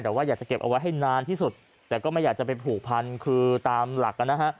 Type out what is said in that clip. แต่ว่าอยากจะเก็บเอาไว้ให้นานที่สุดแต่ก็ไม่อยากจะไปผูกพันคือตามหลักนะฮะ